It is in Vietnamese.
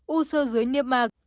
u sơ dưới niêm mạc